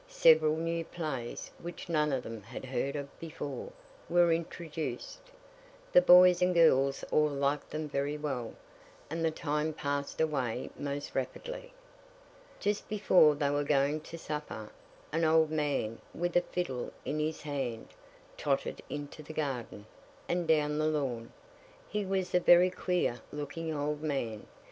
Several new plays, which none of them had heard of before, were introduced. The boys and girls all liked them very well, and the time passed away most rapidly. Just before they were going to supper, an old man, with a fiddle in his hand, tottered into the garden, and down the lawn. He was a very queer looking old man.